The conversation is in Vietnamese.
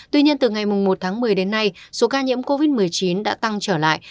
tuy nhiên từ ngày một tháng một mươi đến nay số ca nhiễm covid một mươi chín đã tăng trở lại